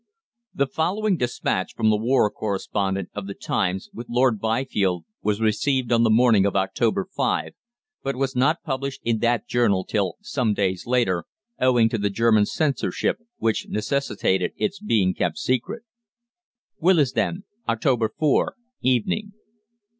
The following despatch from the war correspondent of the "Times" with Lord Byfield was received on the morning of October 5, but was not published in that journal till some days later, owing to the German censorship, which necessitated its being kept secret: "WILLESDEN, October 4 (Evening).